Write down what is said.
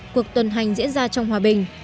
cuộc tuần hành diễn ra trong hòa bình